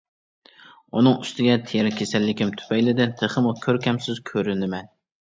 ئۇنىڭ ئۈستىگە، تېرە كېسەللىكىم تۈپەيلىدىن تېخىمۇ كۆركەمسىز كۆرۈنىمەن.